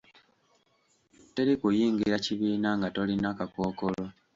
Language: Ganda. Teri kuyingira kibiina nga tolina kakookolo.